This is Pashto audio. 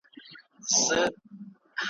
چي د مرګ دام ته لوېدلې وه بېځایه ,